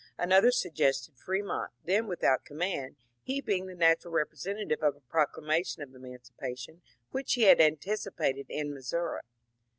Another suggested Fremont, then without command, he being the natural representative of a proclama tion of emancipation which he had anticipated in Missouri.